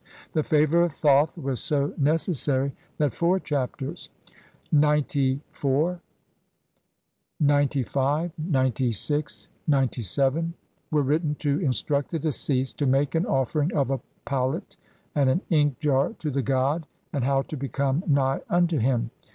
The favour of Thoth was so necessary that four Chapters (XCIV, XCV, XCVI, XCVII) were written to instruct the deceased to make an offering of a palette and an ink jar to the god, and how to become nigh unto him.